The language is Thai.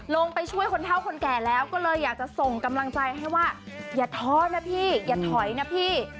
ลงไปช่วยคนเท่าคนแก่แล้วก็เลยอยากจะส่งกำลังใจให้ว่าอย่าท้อนะพี่อย่าถอยนะพี่